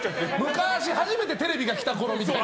昔、初めてテレビが来たころみたいな。